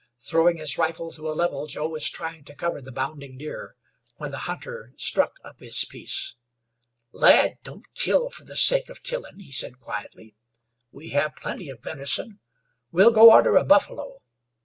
Throwing his rifle to a level, Joe was trying to cover the bounding deer, when the hunter struck up his piece. "Lad, don't kill fer the sake of killin," he said, quietly. "We have plenty of venison. We'll go arter a buffalo.